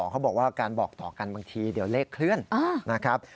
เขาบอกว่าการบอกต่อกันบางทีเดี๋ยวเลขเคลื่อนนะครับ